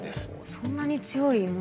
そんなに強いものが。